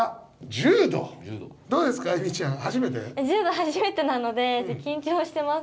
柔道初めてなので緊張してます。